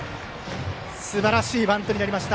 すばらしいバントになった。